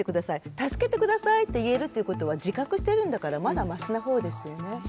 助けてくださいって言えるっていうことは自覚してるんだからまだマシな方ですよね。